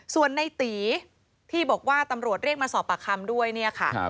ส่วนในตีที่บอกว่าตำรวจเรียกมาสอบปากคำด้วยเนี่ยค่ะ